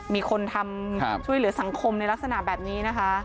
มีคนทำช่วยเหลือสังคมในลักษณะแบบนี้นะคะ